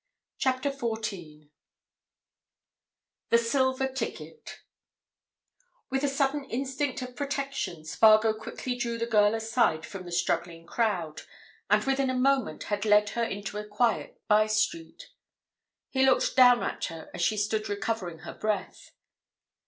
CHAPTER FOURTEEN THE SILVER TICKET With a sudden instinct of protection, Spargo quickly drew the girl aside from the struggling crowd, and within a moment had led her into a quiet by street. He looked down at her as she stood recovering her breath.